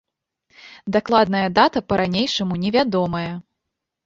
Дакладная дата па-ранейшаму невядомая.